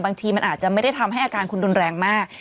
บางทีมันอาจจะไม่ได้ทำให้อาการคุณรุนแรงมาก